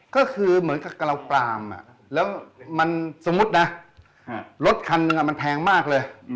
ก็คือเหมือนกับกระเราปลามแล้วมันสมมุตินะรถคันหนึ่งมันแพงมากเลย